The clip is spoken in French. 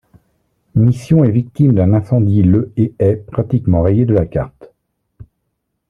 Mission est victime d'un incendie le et est pratiquement rayé de la carte.